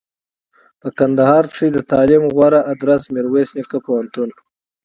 په کندهار کښي دتعلم غوره ادرس میرویس نیکه پوهنتون